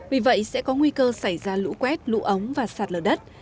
vì vậy sẽ có nguy cơ xảy ra lũ quét lũ ống và sạt lở đất